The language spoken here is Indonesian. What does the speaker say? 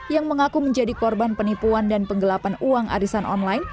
yang mengaku menjadi korban penipuan dan penggelapan uang arisan online